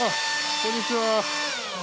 こんにちは。